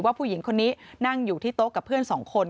ผู้หญิงคนนี้นั่งอยู่ที่โต๊ะกับเพื่อนสองคน